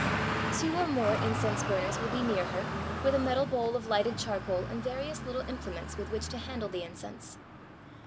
Two or more incense burners will be near her with a metal bowl of Hghted charcoal and various little implements with which to handle the incense.